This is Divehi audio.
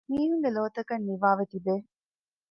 މީހުންގެ ލޯތަކަށް ނިވައިވެ ތިބޭ